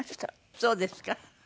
そうですか？